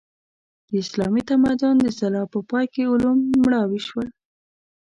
د اسلامي تمدن د ځلا په پای کې علوم مړاوي شول.